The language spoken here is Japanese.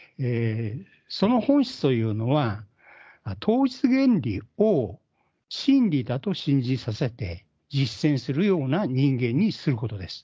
その本質というのは、統一原理を真理だと信じさせて、実践するような人間にすることです。